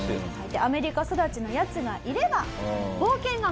アメリカ育ちのヤツがいれば。